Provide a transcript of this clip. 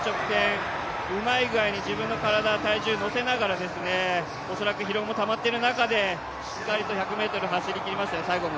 うまい具合に自分の体、体重を乗せながら、恐らく疲労もたまっている中でしっかりと最後の１００ｍ走りきりましたね。